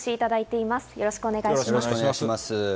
よろしくお願いします。